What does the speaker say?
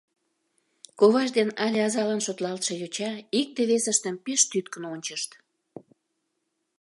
Коваж ден але азалан шотлалтше йоча икте-весыштым пеш тӱткын ончышт.